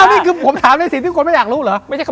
อ้าวนี่คือผมถามได้สิทุกคนไม่อยากรู้เหรอ